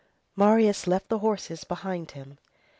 Marius left the horses behind him.